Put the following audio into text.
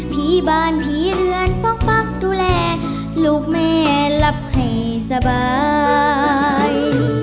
พี่บ้านพี่เรือนปั๊กปั๊กดูแลลูกแม่รับให้สบาย